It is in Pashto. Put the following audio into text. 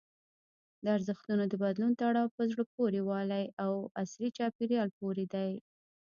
د ارزښتونو د بدلون تړاو په زړه پورې والي او عصري چاپېریال پورې دی.